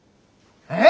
え！？